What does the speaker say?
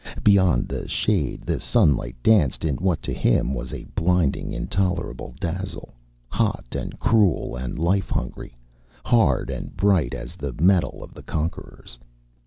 Beyond the shade, the sunlight danced in what to him was a blinding, intolerable dazzle, hot and cruel and life hungry, hard and bright as the metal of the conquerors.